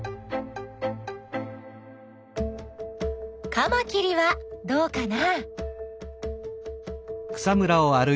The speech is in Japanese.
カマキリはどうかな？